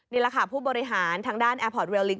นี่แหละค่ะผู้บริหารทางด้านแอร์พอร์ตเรียลลิก